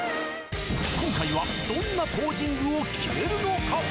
今回はどんなポージングを決めるのか？